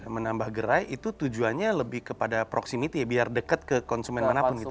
menambah gerai itu tujuannya lebih kepada proximity ya biar dekat ke konsumen manapun gitu